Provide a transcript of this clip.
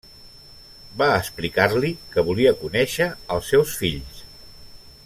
Va explicar-li que volia conèixer els seus fills.